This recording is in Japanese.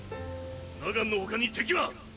ナガンの他に敵は！？